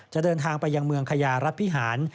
เดินทางไปยังเมืองคยารัฐวิหาร